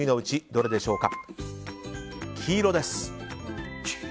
どれでしょうか。